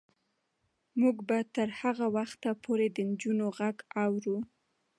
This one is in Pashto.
موږ به تر هغه وخته پورې د نجونو غږ اورو.